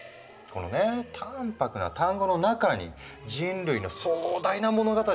このね淡泊な単語の中に人類の壮大な物語が詰まってるのよ。